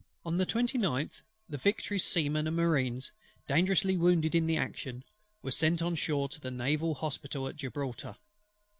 On the 29th the Victory's Seamen and Marines dangerously wounded in the action, were sent on shore to the naval hospital at Gibraltar.